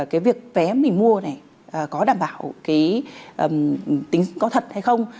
cái việc vé mình mua này có đảm bảo cái tính có thật hay không